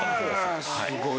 すごい。